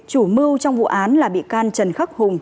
chủ mưu trong vụ án là bị can trần khắc hùng